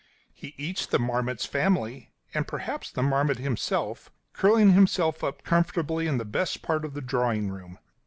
He eats the marmot's family and perhaps the marmot himself: curling himself up comfortably in the best part of the drawing room.